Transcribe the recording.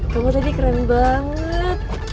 kamu tadi keren banget